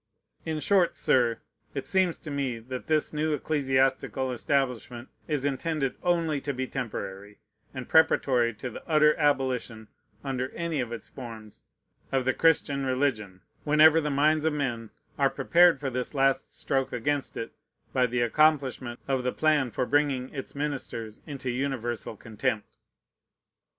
In short, Sir, it seems to me that this new ecclesiastical establishment is intended only to be temporary, and preparatory to the utter abolition, under any of its forms, of the Christian religion, whenever the minds of men are prepared for this last stroke against it by the accomplishment of the plan for bringing its ministers into universal contempt.